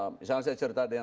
misalnya saya cerita tadi